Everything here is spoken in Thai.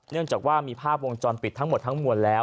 เนื่องจากว่ามีภาพวงจรปิดทั้งหมดทั้งมวลแล้ว